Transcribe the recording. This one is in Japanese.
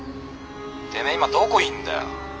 てめえ今どこいんだよ？